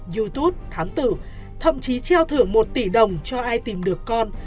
youtube thám tử thậm chí treo thưởng một tỷ đồng cho ai tìm được con